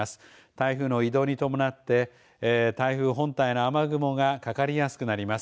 台風の移動に伴って台風本体の雨雲がかかりやすくなります。